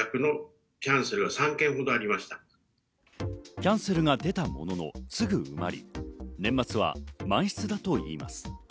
キャンセルが出たもののすぐ埋まり、年末は満室だといいます。